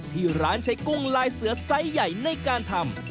ที่ร้านใช้กุ้งลายเสือไซส์ใหญ่ในการทำ